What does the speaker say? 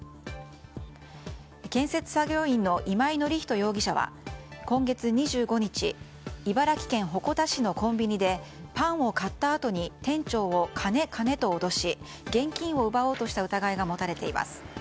建設作業員の今井徳人容疑者は今月２５日茨城県鉾田市のコンビニでパンを買ったあとに店長を金、金と脅し現金を奪った疑いが持たれています。